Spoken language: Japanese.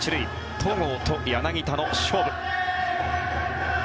戸郷と柳田の勝負。